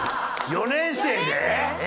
４年生で？